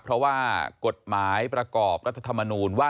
เพราะว่ากฎหมายประกอบรัฐธรรมนูญว่า